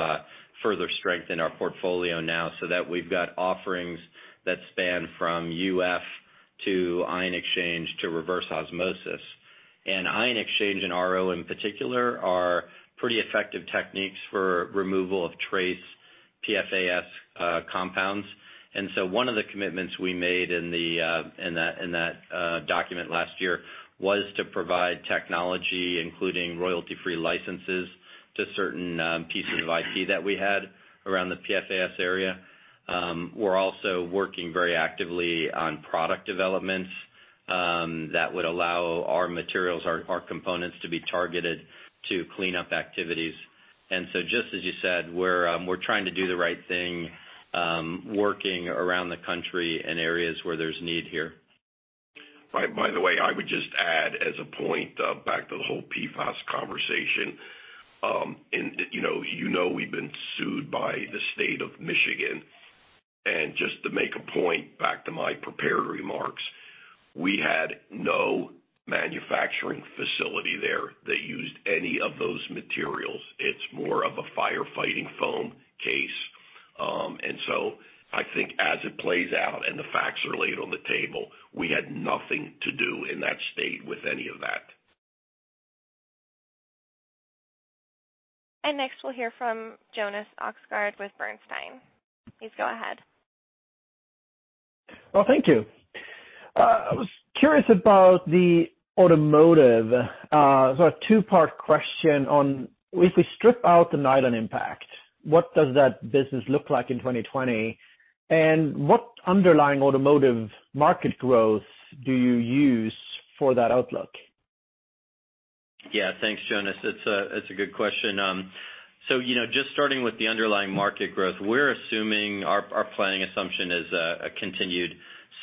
further strengthen our portfolio now, so that we've got offerings that span from UF to ion exchange to reverse osmosis. Ion exchange and RO in particular are pretty effective techniques for removal of trace PFAS compounds. One of the commitments we made in that document last year was to provide technology, including royalty-free licenses, to certain pieces of IP that we had around the PFAS area. We're also working very actively on product developments that would allow our materials, our components to be targeted to clean up activities. Just as you said, we're trying to do the right thing, working around the country in areas where there's need here. I would just add as a point back to the whole PFAS conversation. You know we've been sued by the state of Michigan, just to make a point back to my prepared remarks, we had no manufacturing facility there that used any of those materials. It's more of a firefighting foam case. I think as it plays out and the facts are laid on the table, we had nothing to do in that state with any of that. Next we'll hear from Jonas Oxgaard with Bernstein. Please go ahead. Well, thank you. I was curious about the automotive. A two-part question on if we strip out the nylon impact, what does that business look like in 2020, and what underlying automotive market growth do you use for that outlook? Yeah, thanks, Jonas. It's a good question. Just starting with the underlying market growth, our planning assumption is a continued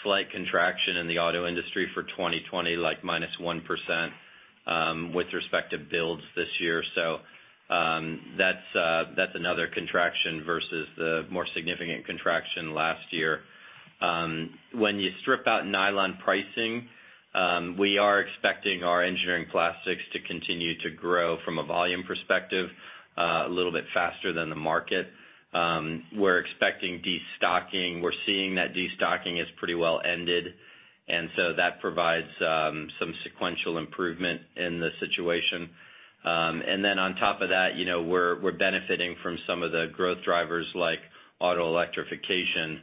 slight contraction in the auto industry for 2020, like minus 1%, with respect to builds this year. That's another contraction versus the more significant contraction last year. When you strip out nylon pricing, we are expecting our engineering plastics to continue to grow from a volume perspective, a little bit faster than the market. We're expecting de-stocking. We're seeing that de-stocking is pretty well ended, and so that provides some sequential improvement in the situation. On top of that, we're benefiting from some of the growth drivers like auto electrification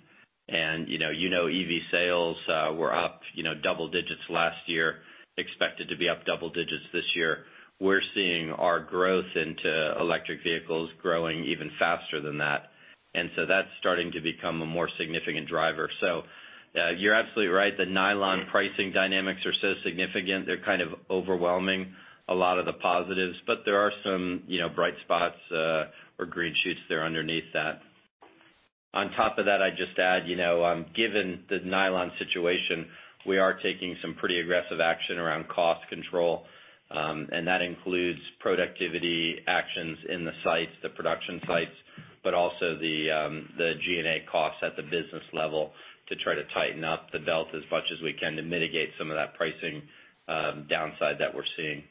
and you know EV sales were up double digits last year, expected to be up double digits this year. We're seeing our growth into electric vehicles growing even faster than that. That's starting to become a more significant driver. You're absolutely right. The nylon pricing dynamics are so significant, they're kind of overwhelming a lot of the positives, but there are some bright spots or green shoots there underneath that. On top of that, I'd just add, given the nylon situation, we are taking some pretty aggressive action around cost control, and that includes productivity actions in the sites, the production sites, but also the G&A costs at the business level to try to tighten up the belt as much as we can to mitigate some of that pricing downside that we're seeing.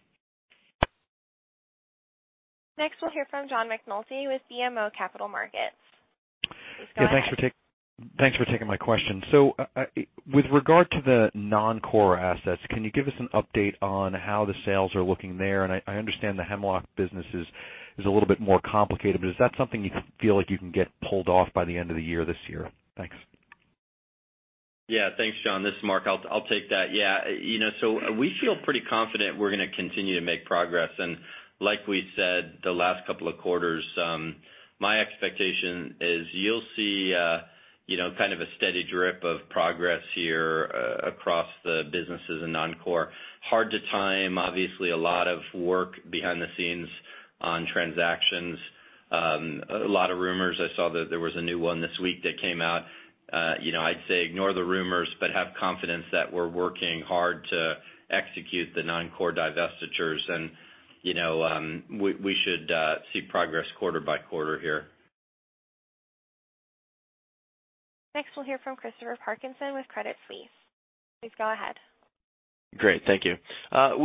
Next, we'll hear from John McNulty with BMO Capital Markets. Please go ahead. Thanks for taking my question. With regard to the non-core assets, can you give us an update on how the sales are looking there? I understand the Hemlock business is a little bit more complicated, is that something you feel like you can get pulled off by the end of the year this year? Thanks. Thanks, John. This is Marc. I'll take that. We feel pretty confident we're going to continue to make progress. Like we said the last couple of quarters, my expectation is you'll see kind of a steady drip of progress here across the businesses in non-core. Hard to time. Obviously, a lot of work behind the scenes on transactions. A lot of rumors. I saw that there was a new one this week that came out. I'd say ignore the rumors, but have confidence that we're working hard to execute the non-core divestitures. We should see progress quarter by quarter here. Next, we'll hear from Christopher Parkinson with Credit Suisse. Please go ahead. Great. Thank you.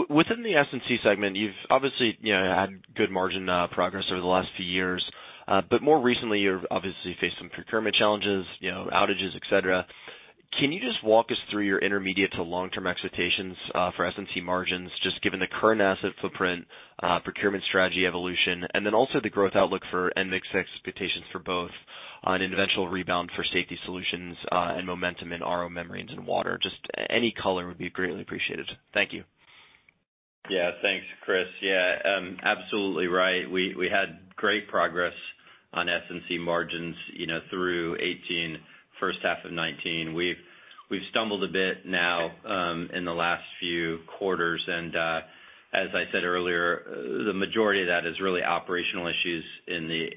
Within the S&C segment, you've obviously had good margin progress over the last few years. More recently, you've obviously faced some procurement challenges, outages, et cetera. Can you just walk us through your intermediate to long-term expectations for S&C margins, just given the current asset footprint, procurement strategy evolution, and then also the growth outlook for, and mix expectations for both an eventual rebound for Safety Solutions and momentum in RO membranes and water? Just any color would be greatly appreciated. Thank you. Thanks, Chris. Absolutely right. We had great progress on S&C margins through 2018, first half of 2019. We've stumbled a bit now in the last few quarters, and as I said earlier, the majority of that is really operational issues in the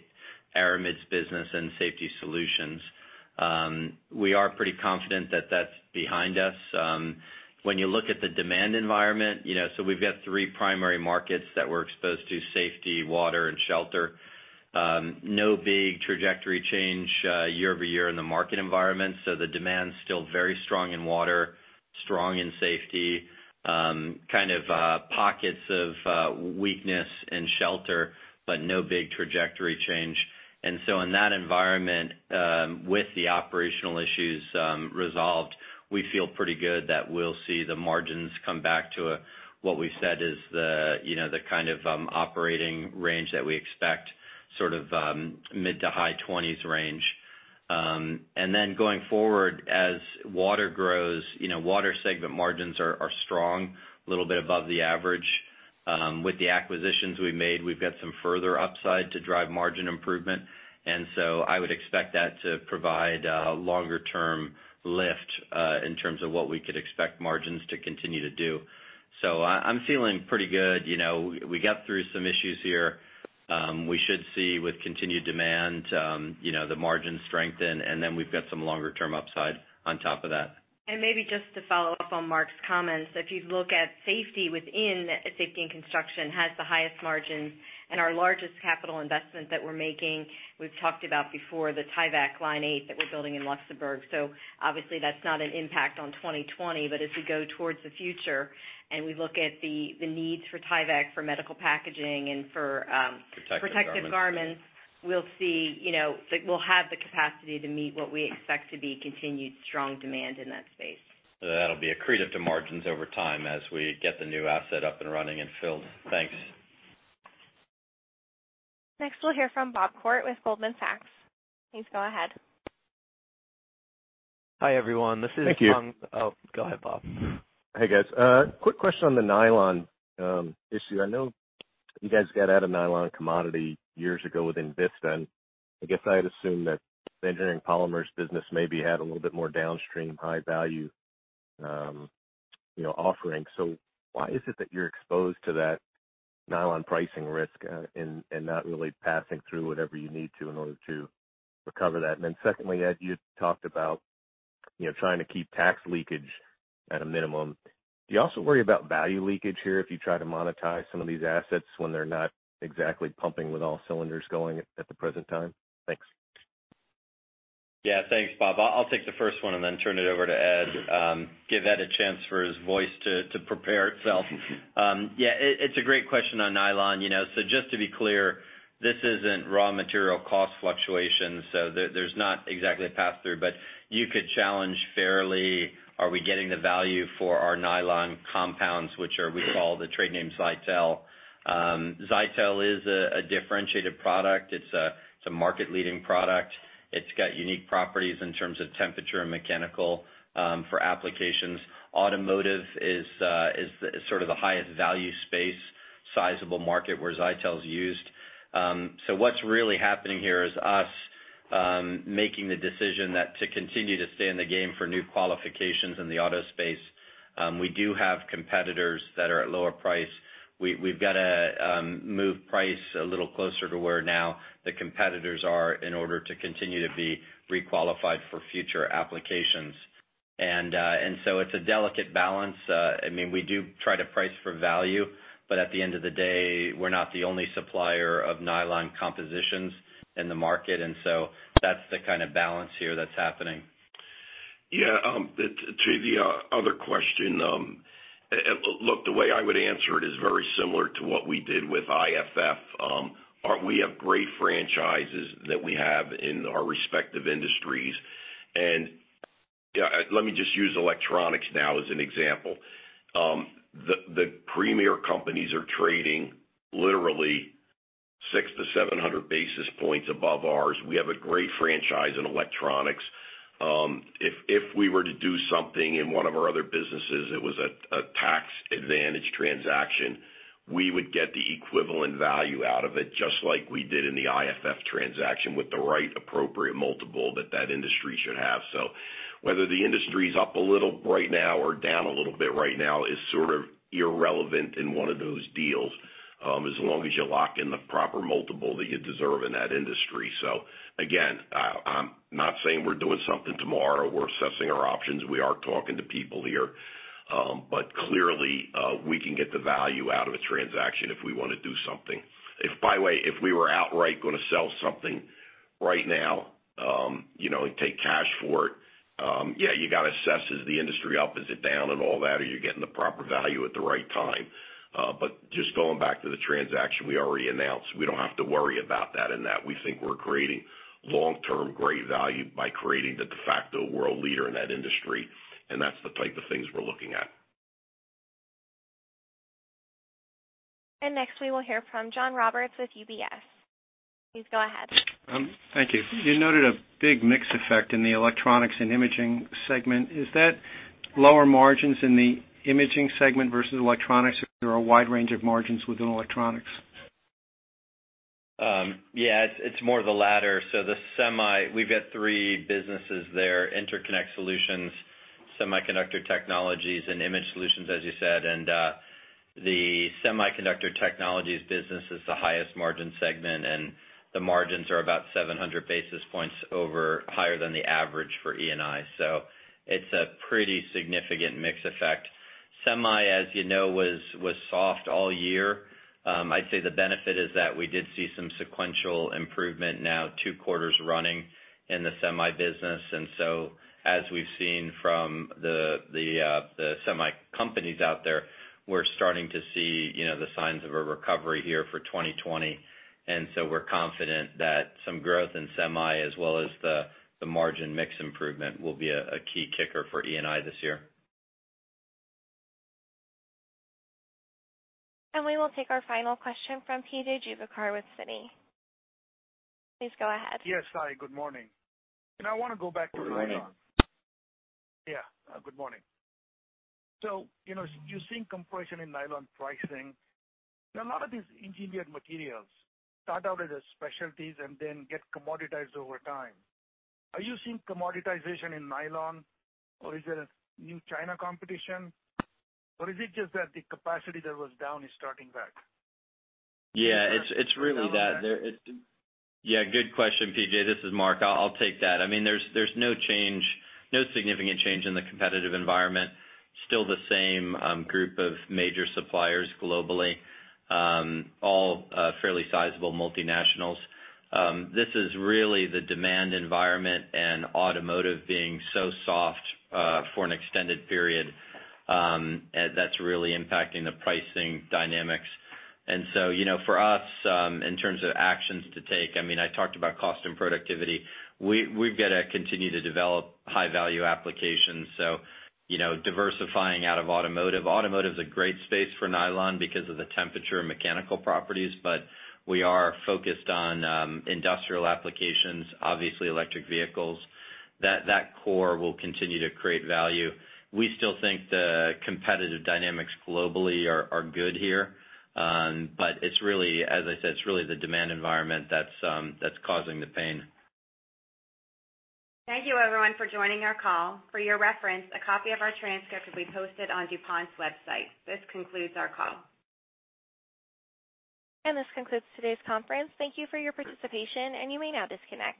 aramid business and Safety Solutions. We are pretty confident that's behind us. When you look at the demand environment, we've got three primary markets that we're exposed to, safety, water, and shelter. No big trajectory change year-over-year in the market environment. The demand's still very strong in water, strong in safety. Kind of pockets of weakness in shelter, but no big trajectory change. In that environment, with the operational issues resolved, we feel pretty good that we'll see the margins come back to what we've said is the kind of operating range that we expect, sort of mid to high 20s range. Going forward, as Water grows, Water segment margins are strong, a little bit above the average. With the acquisitions we've made, we've got some further upside to drive margin improvement. I would expect that to provide a longer-term lift in terms of what we could expect margins to continue to do. I'm feeling pretty good. We got through some issues here. We should see with continued demand the margin strengthen, and then we've got some longer-term upside on top of that. Maybe just to follow up on Marc's comments. If you look at safety within Safety & Construction, has the highest margins and our largest capital investment that we're making, we've talked about before the Tyvek line 8 that we're building in Luxembourg. Obviously that's not an impact on 2020, but as we go towards the future and we look at the needs for Tyvek for medical packaging and for. Protective garments protective garments, we'll have the capacity to meet what we expect to be continued strong demand in that space. That'll be accretive to margins over time as we get the new asset up and running and filled. Thanks. Next, we'll hear from Bob Koort with Goldman Sachs. Please go ahead. Hi, everyone. Thank you. Oh, go ahead, Bob. Hey, guys. Quick question on the nylon issue. I know you guys got out of nylon commodity years ago within Visp. I guess I had assumed that the engineering polymers business maybe had a little bit more downstream high-value offering. Why is it that you're exposed to that nylon pricing risk and not really passing through whatever you need to in order to recover that? Secondly, Ed, you talked about trying to keep tax leakage at a minimum. Do you also worry about value leakage here if you try to monetize some of these assets when they're not exactly pumping with all cylinders going at the present time? Thanks. Yeah. Thanks, Bob. I'll take the first one and then turn it over to Ed. Give Ed a chance for his voice to prepare itself. Yeah. It's a great question on nylon. Just to be clear, this isn't raw material cost fluctuation, so there's not exactly a pass-through, but you could challenge fairly, are we getting the value for our nylon compounds, which we call the trade name Zytel? Zytel is a differentiated product. It's a market-leading product. It's got unique properties in terms of temperature and mechanical for applications. Automotive is sort of the highest value space, sizable market where Zytel is used. What's really happening here is us making the decision that to continue to stay in the game for new qualifications in the auto space, we do have competitors that are at lower price. We've got to move price a little closer to where now the competitors are in order to continue to be re-qualified for future applications. It's a delicate balance. We do try to price for value, but at the end of the day, we're not the only supplier of nylon compositions in the market. That's the kind of balance here that's happening. To the other question, look, the way I would answer it is very similar to what we did with IFF. We have great franchises that we have in our respective industries. Let me just use electronics now as an example. The premier companies are trading literally six to 700 basis points above ours. We have a great franchise in electronics. If we were to do something in one of our other businesses, it was a tax advantage transaction, we would get the equivalent value out of it, just like we did in the IFF transaction with the right appropriate multiple that that industry should have. Whether the industry is up a little right now or down a little bit right now is sort of irrelevant in one of those deals, as long as you lock in the proper multiple that you deserve in that industry. Again, I'm not saying we're doing something tomorrow. We're assessing our options. We are talking to people here. Clearly, we can get the value out of a transaction if we want to do something. By the way, if we were outright going to sell something right now, and take cash for it, yeah, you got to assess, is the industry up, is it down, and all that, are you getting the proper value at the right time? Just going back to the transaction we already announced, we don't have to worry about that in that we think we're creating long-term great value by creating the de facto world leader in that industry, and that's the type of things we're looking at. Next we will hear from John Roberts with UBS. Please go ahead. Thank you. You noted a big mix effect in the Electronics & Imaging segment. Is that lower margins in the Imaging segment versus Electronics, or there are a wide range of margins within Electronics? Yeah. It's more of the latter. The 3 businesses there, Interconnect Solutions, Semiconductor Technologies, and imaging solutions, as you said. The Semiconductor Technologies business is the highest margin segment, and the margins are about 700 basis points over higher than the average for E&I. It's a pretty significant mix effect. Semi, as you know, was soft all year. I'd say the benefit is that we did see some sequential improvement now 2 quarters running in the Semi business. As we've seen from the Semi companies out there, we're starting to see the signs of a recovery here for 2020. We're confident that some growth in Semi as well as the margin mix improvement will be a key kicker for E&I this year. We will take our final question from P.J. Juvekar with Citi. Please go ahead. Yes. Hi, good morning. I want to go back to nylon. Yeah. Good morning. You're seeing compression in nylon pricing. Now, a lot of these engineered materials start out as specialties and then get commoditized over time. Are you seeing commoditization in nylon, or is it a new China competition, or is it just that the capacity that was down is starting back? Yeah. It's really that. Yeah, good question, P.J. This is Marc. I'll take that. There's no significant change in the competitive environment. Still the same group of major suppliers globally. All fairly sizable multinationals. This is really the demand environment and automotive being so soft for an extended period. That's really impacting the pricing dynamics. For us, in terms of actions to take, I talked about cost and productivity. We've got to continue to develop high-value applications, so diversifying out of automotive. Automotive's a great space for nylon because of the temperature and mechanical properties, we are focused on industrial applications, obviously electric vehicles. That core will continue to create value. We still think the competitive dynamics globally are good here. As I said, it's really the demand environment that's causing the pain. Thank you everyone for joining our call. For your reference, a copy of our transcript will be posted on DuPont's website. This concludes our call. This concludes today's conference. Thank you for your participation, and you may now disconnect.